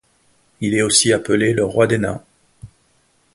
Il est aussi appelé le roi des nains.